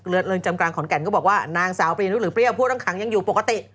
เรือนเรือนจำกลางขอนแก่นก็บอกว่านางสาวเปรี้ยวหรือเปรี้ยวผู้ต้องขังยังอยู่ปกติ